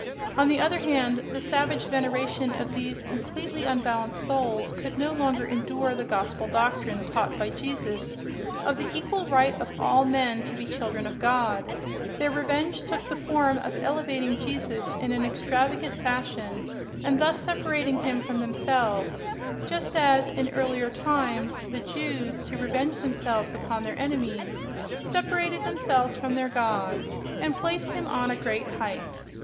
On the other hand, the savage veneration of these completely unbalanced souls could no longer endure the Gospel doctrine, taught by Jesus, of the equal right of all men to be children of God: their revenge took the form of elevating Jesus in an extravagant fashion, and thus separating him from themselves: just as, in earlier times, the Jews, to revenge themselves upon their enemies, separated themselves from their God, and placed him on a great height.